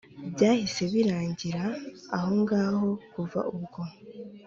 Byahise birangira ahongaho kuva ubwo